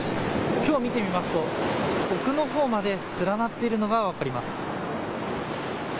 きょう見てみますと奥のほうまで連なっているのが分かります。